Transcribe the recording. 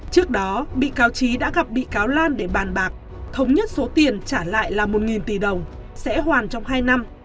trước đó bị cáo trí đã gặp bị cáo lan để bàn bạc thống nhất số tiền trả lại là một tỷ đồng sẽ hoàn trong hai năm